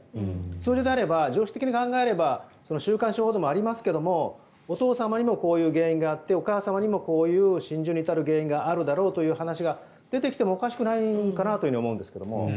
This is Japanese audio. それであれば常識的に考えれば週刊誌報道もありますがお父様にもこういう原因があってお母様にもこういう心中に至る原因があるだろうという話が出てきてもおかしくないのかなと思うんですけど。